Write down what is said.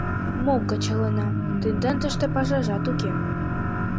— Мом кычалына, тендан тыште пашажат уке.